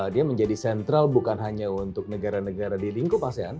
dia menjadi sentral bukan hanya untuk negara negara di lingkup asean